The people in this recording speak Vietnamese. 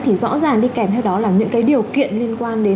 thì rõ ràng đi kèm theo đó là những cái điều kiện liên quan đến